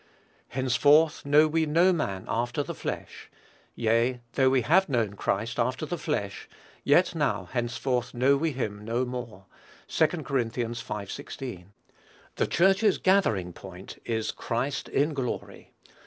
"Henceforth know we no man after the flesh; yea, though we have known Christ after the flesh, yet now henceforth know we him no more." (2 Cor. v. 16.) The Church's gathering point is Christ in glory.